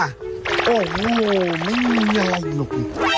โอ้โหไม่มีอะไรหรอก